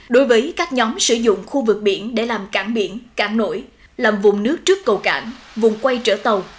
đối với các nhóm sử dụng khu vực biển để làm cảng biển cảng nổi làm vùng nước trước cầu cảng vùng quay trở tàu